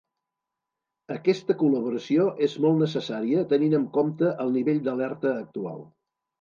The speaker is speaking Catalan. Aquesta col·laboració és molt necessària tenint en compte el nivell d’alerta actual.